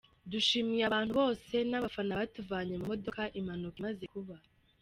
Dushimiye abantu bose n’abafana batuvanye mu modoka impanuka imaze kuba….